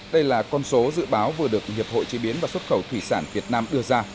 đây là con số dự báo vừa được hiệp hội chế biến và xuất khẩu thủy sản việt nam đưa ra